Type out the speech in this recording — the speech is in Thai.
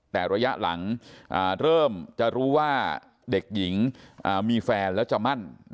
แต่ระยะหลังเริ่มจะรู้ว่าเด็กหญิงมีแฟนแล้วจะมั่น